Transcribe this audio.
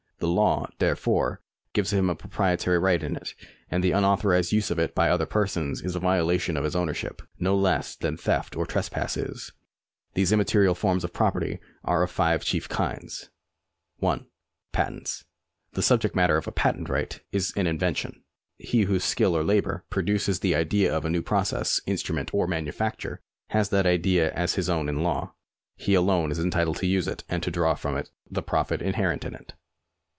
The law, therefore, gives him a proprietary right in it, and the unauthorised use of it by other persons is a violation of his ownership, no less than theft or trespass is. These immaterial forms of property are of five chief kinds :—^ 1. Patents. The subject matter of a patent right is an invention. He whose skill or labour produces the idea of a 'new process, instrument, or manufacture, has that idea as his own in law. He alone is entitled to use it and to draw from it the profit inherent in it.